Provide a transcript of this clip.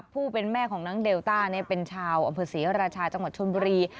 ผู้เป็นแม่ของน้องเดลต้าเป็นชาวอำเภอศรีราชาจังหวัดชนบุรี